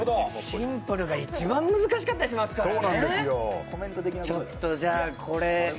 シンプルが一番難しかったりしますからね。